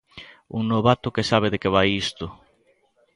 Un novato que sabe de que vai isto.